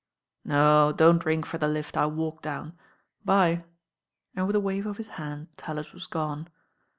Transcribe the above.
"No, don't ring for the lift, I'll walk down. Bye, and with a wave of his hand Tallis was gone.